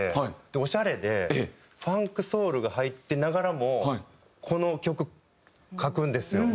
でオシャレでファンクソウルが入ってながらもこの曲書くんですよ。